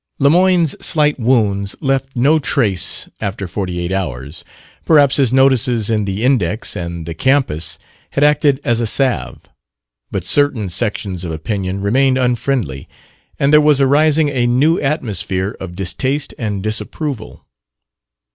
Lemoyne's slight wound left no trace after forty eight hours perhaps his "notices" in "The Index" and "The Campus" had acted as a salve; but certain sections of opinion remained unfriendly, and there was arising a new atmosphere of distaste and disapproval.